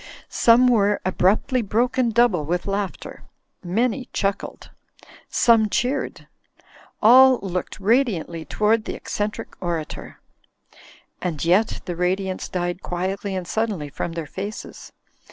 Some were abruptly broken double with laughter. Many chuckled. Some cheered. All looked radiantly toward the eccentric orator. And yet the radiance died quietly and suddenly from their faces.